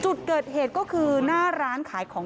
โชว์บ้านในพื้นที่เขารู้สึกยังไงกับเรื่องที่เกิดขึ้น